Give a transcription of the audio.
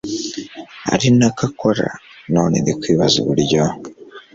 arinako akora none ndikwibaza uburyo